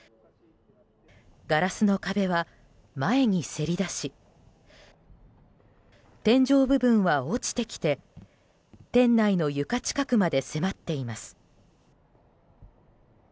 ガラスの壁は前にせり出し天井部分は落ちてきて店内の床近くまで迫っています。